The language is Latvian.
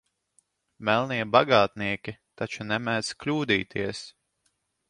Melnie bagātnieki taču nemēdz kļūdīties.